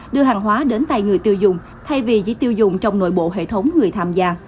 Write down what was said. đưa hàng hóa đến tay người tiêu dùng thay vì chỉ tiêu dùng trong nội bộ hệ thống người tham gia